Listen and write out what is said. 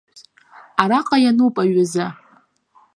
Араҟа иануп аҩыза.